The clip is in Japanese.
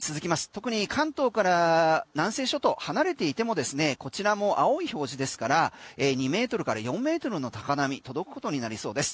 特に関東から南西諸島離れていてもこちらも青い表示ですから２ｍから４ｍの高波届くことになりそうです。